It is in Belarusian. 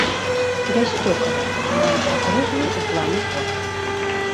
Бяссцёкавае, мае акруглую ў плане форму.